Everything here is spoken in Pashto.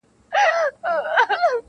• موږ په روڼو سترګو لاندي تر بړستن یو -